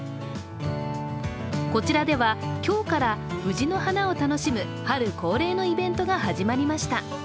こちらでは、今日から藤の花を楽しむ春恒例のイベントが始まりました。